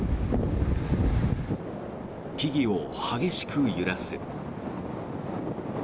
木々を激しく揺らす。